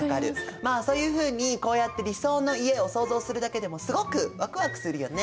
まあそういうふうにこうやって理想の家を想像するだけでもすごくワクワクするよね！